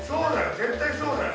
絶対そうだよ。